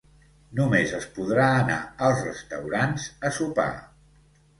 Només es podrà anar als restaurants a sopar.